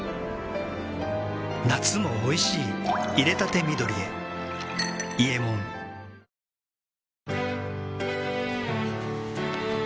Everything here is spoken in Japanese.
夏もおいしい淹れたて緑へ「伊右衛門」ハハハ！